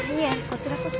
こちらこそ